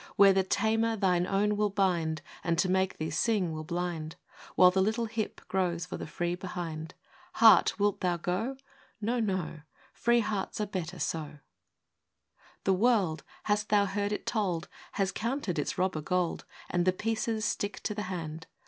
, Where the tamer, thine own, will bind, And, to make thee sing, will blind, While the little hip grows for the free behind ? Heart, wilt thou go ?—" No, no ! Free hearts are better so." ii. The world, thou hast heard it told, Has counted its robber gold, And the pieces stick to the hand.